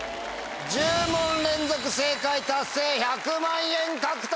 １０問連続正解達成１００万円獲得！